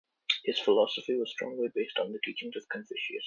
His philosophy was strongly based on the teachings of Confucius.